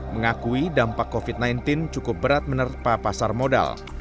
mengakui dampak covid sembilan belas cukup berat menerpa pasar modal